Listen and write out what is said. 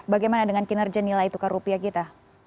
bagaimana dengan kinerja nilai tukar rupiah kita